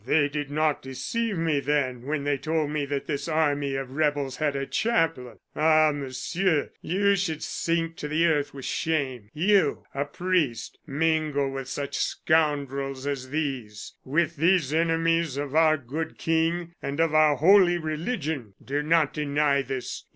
"They did not deceive me, then, when they told me that this army of rebels had a chaplain! Ah! Monsieur, you should sink to the earth with shame. You, a priest, mingle with such scoundrels as these with these enemies of our good King and of our holy religion! Do not deny this!